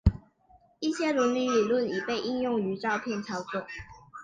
一些伦理理论已被应用于照片操作。